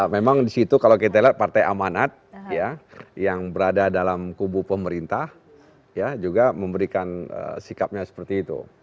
memang disitu kalau kita lihat partai amanat yang berada dalam kubu pemerintah ya juga memberikan sikapnya seperti itu